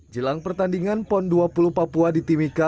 jelang pertandingan pon dua puluh papua di timika